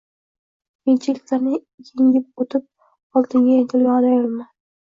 Qiyinchiliklarni engib o`tib oldinga intilgan ayolman